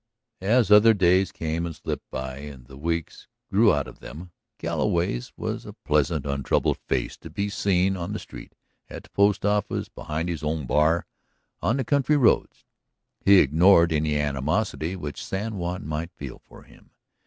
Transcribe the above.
As other days came and slipped by and the weeks grew out of them, Galloway's was a pleasant, untroubled face to be seen on the street, at the post office, behind his own bar, on the country roads. He ignored any animosity which San Juan might feel for him.